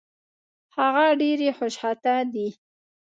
هغه ډېرې خوشخطه دي